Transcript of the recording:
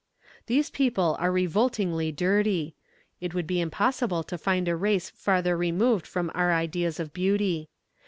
"These people are revoltingly dirty. It would be impossible to find a race farther removed from our ideas of beauty.